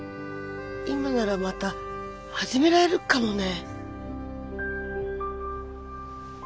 今ならまた始められるかもね。